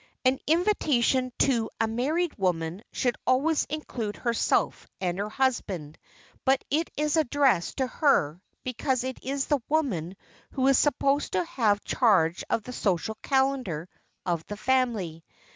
An invitation to a married woman should always include herself and her husband, but it is addressed to her because it is the woman who is supposed to have charge of the social calendar of the family.